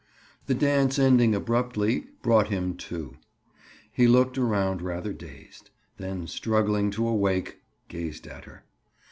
The dance ending abruptly "brought him to." He looked around rather dazed; then struggling to awake, gazed at her.